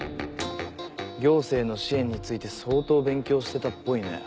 行政の支援について相当勉強してたっぽいね。